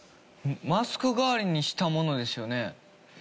マスク替わりにしたものですよね？